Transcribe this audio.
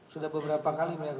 sudah beberapa kali